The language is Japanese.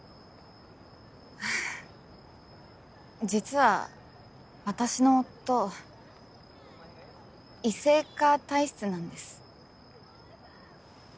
実は私の夫異性化体質なんです。